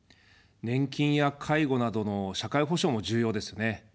年金や介護などの社会保障も重要ですね。